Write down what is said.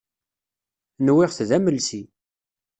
Nwiɣ-t d amelsi.